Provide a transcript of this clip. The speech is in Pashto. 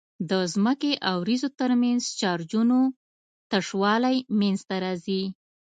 د ځمکې او وريځو ترمنځ چارجونو تشوالی منځته راځي.